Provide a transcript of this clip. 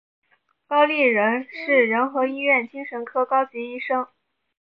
高立仁是仁和医院精神科高级医生。